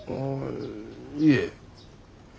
いえ。